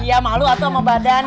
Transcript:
iya malu ato sama badan